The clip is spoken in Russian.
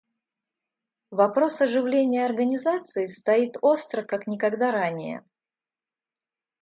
Вопрос оживления Организации стоит остро, как никогда ранее.